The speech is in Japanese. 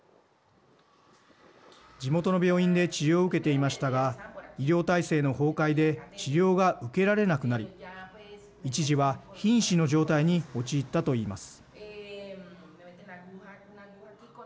地元の病院で治療を受けていましたが医療体制の崩壊で治療が受けられなくなり一時はひん死の状態に陥ったと言います。